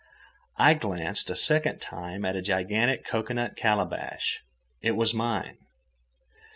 I glanced a second time at a gigantic cocoanut calabash; it was mine.